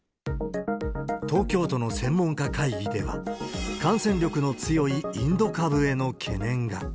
東京都の専門家会議では、感染力の強いインド株への懸念が。